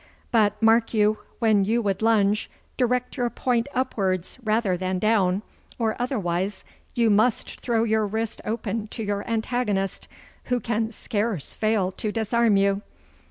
'But, mark you! when you would lunge, direct your point upwards rather than down, for otherwise you must throw your wrist open to your antagonist, who can scarce fail to disarm you.